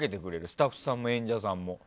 スタッフさんも演者さんも。